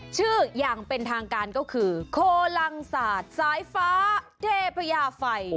ชื่ออย่างเป็นทางการก็คือโคลังศาสตร์สายฟ้าเทพยาไฟ